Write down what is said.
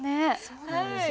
そうなんですよね。